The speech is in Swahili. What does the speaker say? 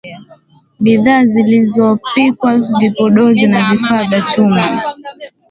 bidhaa zilizopikwa vipodozi na vifaa vya chuma